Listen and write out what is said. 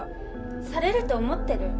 されると思ってる？